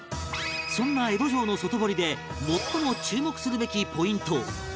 そんな江戸城の外堀で最も注目するべきポイント